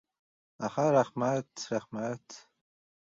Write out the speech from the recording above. — Aha, rahma-a-at, rahma-a-at!